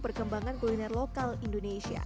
perkembangan kuliner lokal indonesia